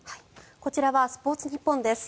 こちらはスポーツニッポンです。